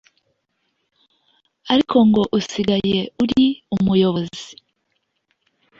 Ariko ngo usigaye uri umuyobozi